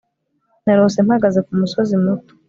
narose mpagaze kumusozi muto